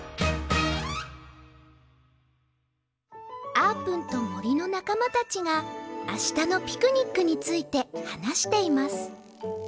あーぷんともりのなかまたちがあしたのピクニックについてはなしています